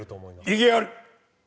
異議あり！